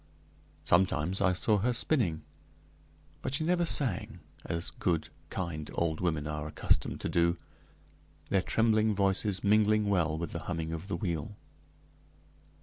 Sometimes I saw her spinning; but she never sang, as good, kind old women are accustomed to do, their trembling voices mingling well with the humming of the wheel.